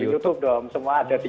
dari youtube dong semua ada di youtube